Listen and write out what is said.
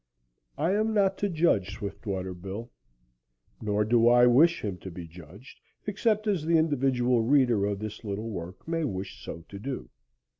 I am not to judge Swiftwater Bill, nor do I wish him to be judged except as the individual reader of this little work may wish so to do.